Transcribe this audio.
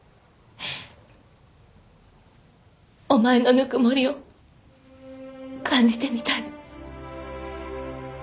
お前のぬくもりを感じてみたい。